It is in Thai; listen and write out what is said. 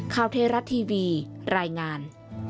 ข้าวเทราะห์ทีวีรายงาน